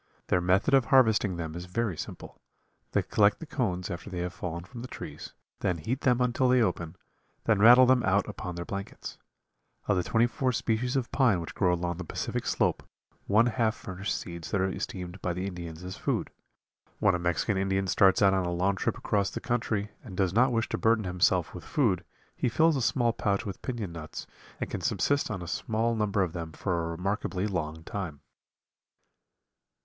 Their method of harvesting them is very simple. They collect the cones after they have fallen from the trees, then heat them until they open, then rattle them out upon their blankets. Of the twenty four species of pine which grow along the Pacific Slope one half furnish seeds that are esteemed by the Indians as food. When a Mexican Indian starts out on a long trip across the country and does not wish to burden himself with food he fills a small pouch with piñon nuts and can subsist on a small number of them for a remarkably long time.